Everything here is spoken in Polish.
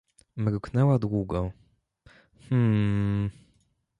Mruknęła długo: — Hmmm.